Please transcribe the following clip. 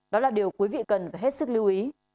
đó là điều quý vị cần phải hết sức lưu ý